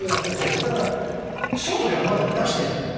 だからショートではまだ出してない。